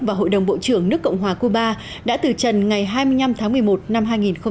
và hội đồng bộ trưởng nước cộng hòa cuba đã từ trần ngày hai mươi năm tháng một mươi một năm hai nghìn một mươi chín